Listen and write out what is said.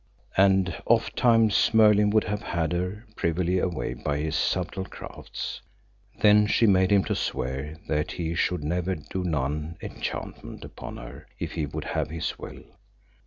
And ofttimes Merlin would have had her privily away by his subtle crafts; then she made him to swear that he should never do none enchantment upon her if he would have his will.